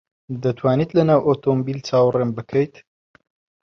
دەتوانیت لەناو ئۆتۆمۆبیل چاوەڕێم بکەیت؟